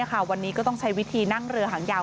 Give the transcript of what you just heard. ต่อวันนี้ก็จะใช้วิธีนั่งเรือหางยาว